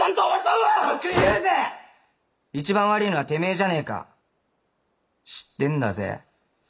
よく言うぜ‼一番悪いのはてめぇじゃねぇか知ってんだぜ？